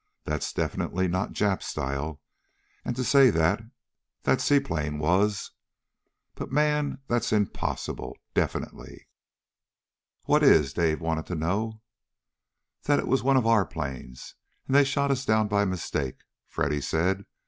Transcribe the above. That's definitely not Jap style. And to say that that seaplane was But, man! That's impossible! Definitely!" "What is?" Dave wanted to know. "That it was one of our planes, and they shot us down by mistake," Freddy said.